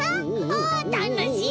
あたのしい！